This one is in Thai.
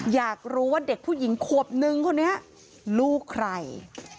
อยากรู้ว่าเด็กผู้หญิงขวบนึงคนนี้ลูกใคร